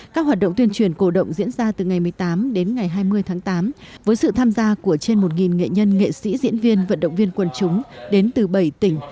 các hoạt động tuyên truyền cổ động diễn ra từ ngày một mươi tám đến ngày hai mươi tháng tám với sự tham gia của trên một nghệ nhân nghệ sĩ diễn viên vận động viên quần chúng đến từ bảy tỉnh